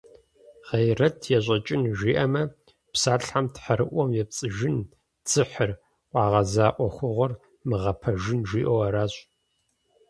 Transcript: «Гъейрэт ещӀэкӏын» жиӏэмэ, псалъэм, тхьэрыӀуэм епцӀыжын, дзыхьыр, къуагъэза Ӏуэхугъуэр мыгъэпэжын, жиӏэу аращ.